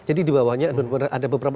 jadi di bawahnya ada beberapa